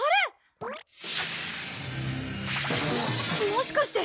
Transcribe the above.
もしかして！